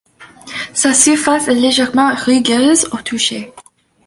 Sa surface est légèrement rugueuse au toucher.